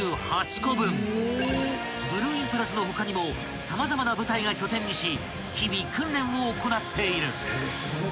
［ブルーインパルスの他にも様々な部隊が拠点にし日々訓練を行っている］